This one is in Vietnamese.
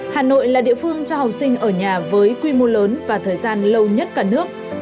hà nội là địa phương cho học sinh ở nhà với quy mô lớn và thời gian lâu nhất cả nước